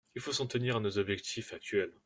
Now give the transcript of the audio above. Il faut s’en tenir à nos objectifs actuels.